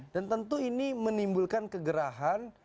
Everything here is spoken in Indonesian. dan tentu ini menimbulkan kegerahan